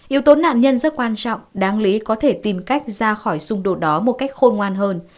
yếu tố nạn nhân rất quan trọng đáng lý có thể tìm cách ra khỏi xung đột đó một cách khôn ngoan hơn